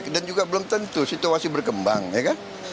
dan juga belum tentu situasi berkembang ya kan